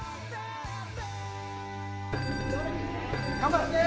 頑張って！